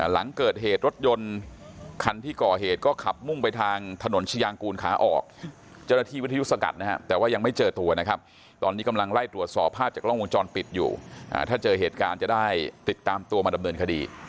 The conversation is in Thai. หลังเกิดเหตุรถยนต์ขันที่ก่อเหตุก็ขับมุ่งไปทางถนนชิยางกูหลขาออก